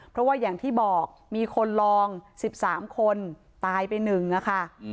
เพราะว่าอย่างที่บอกมีคนลอง๑๓คนตายไป๑ค่ะ